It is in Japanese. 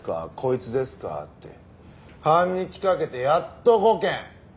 半日かけてやっと５件。